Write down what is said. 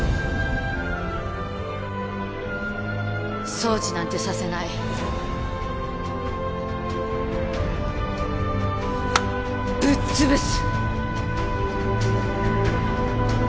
送致なんてさせないぶっ潰す！